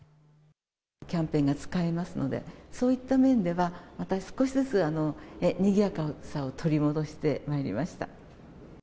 キャンペーンが使えますので、そういった面では、また少しずつ、にぎやかさを取り戻してまいりました。